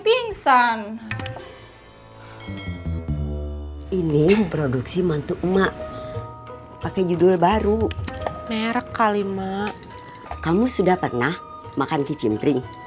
pingsan ini produksi mantu emak pakai judul baru merek kali mak kamu sudah pernah makan kicim pring